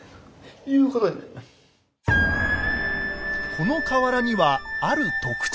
この瓦にはある特徴が。